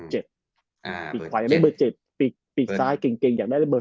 ปีกขวาอยากได้เบอร์๗ปีกซ้ายเก่งอยากได้เบอร์